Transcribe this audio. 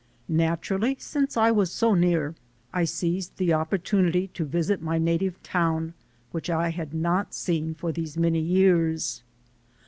Naturally, since I was so near, I seized the opportunity to visit my native town which I had not seen for these many years.